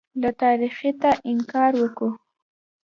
له تاریخیته انکار وکوو.